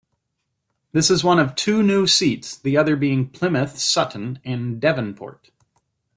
This is one of two new seats, the other being Plymouth Sutton and Devonport.